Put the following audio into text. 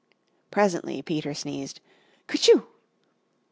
Presently Peter sneezed "Kertyschoo!"